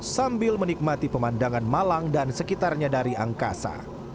sambil menikmati pemandangan malang dan sekitarnya dari angkasa